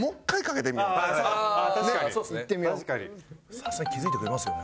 さすがに気付いてくれますよね？